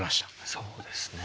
そうですね。